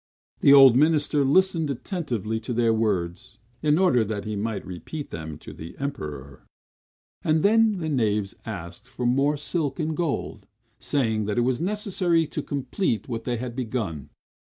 The old minister listened attentively to their words, in order that he might repeat them to the Emperor; and then the knaves asked for more silk and gold, saying that it was necessary to complete what they had begun.